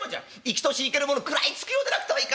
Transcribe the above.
生きとし生けるもの食らいつくようでなくてはいかん。